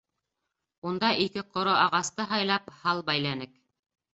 Унда ике ҡоро ағасты һайлап һал бәйләнек.